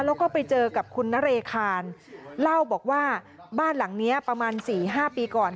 แล้วก็ไปเจอกับคุณนเรคารเล่าบอกว่าบ้านหลังนี้ประมาณ๔๕ปีก่อน